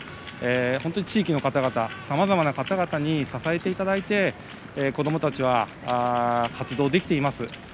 本当に地域の方々さまざまな方々に支えていただいて子どもたちは活動できています。